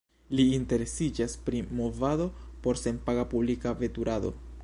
Li interesiĝas pri Movado por senpaga publika veturado.